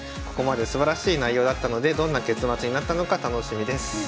ここまですばらしい内容だったのでどんな結末になったのか楽しみです。